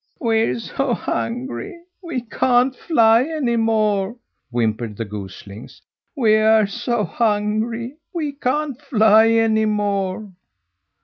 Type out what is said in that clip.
"We're so hungry, we can't fly any more!" whimpered the goslings. "We're so hungry, we can't fly any more!"